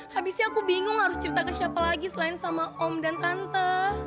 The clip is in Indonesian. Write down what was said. habisnya aku bingung harus cerita ke siapa lagi selain sama om dan tante